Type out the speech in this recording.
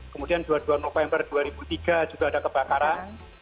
kemudian dua puluh dua november dua ribu tiga juga ada kebakaran